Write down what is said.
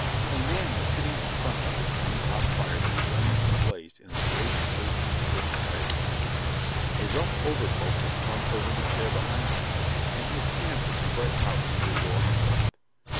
A man was sitting in front of the corncob fire that flamed and blazed in the great, gaping, sooty fireplace. A rough overcoat was flung over the chair behind him and his hands were spread out to the roaring warmth.